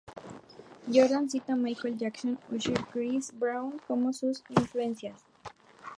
Jordan cita Michael Jackson, Usher y Chris Brown como sus influencias.